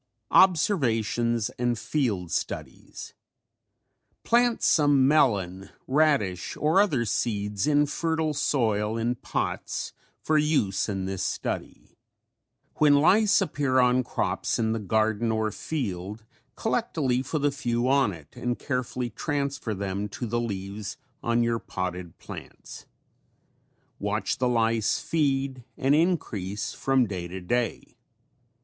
OBSERVATIONS AND FIELD STUDIES Plant some melon, radish or other seeds in fertile soil in pots for use in this study. When lice appear on crops in the garden or field, collect a leaf with a few on it and carefully transfer them to the leaves on your potted plants. Watch the lice feed and increase from day to day.